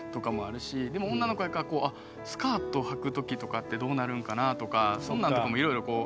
でも女の子やからスカートはく時とかってどうなるんかなとかそんなんとかもいろいろこう。